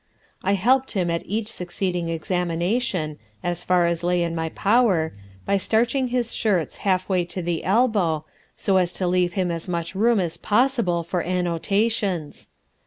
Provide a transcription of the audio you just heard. I helped him at each succeeding examination, as far as lay in my power, by starching his shirts half way to the elbow, so as to leave him as much room as possible for annotations.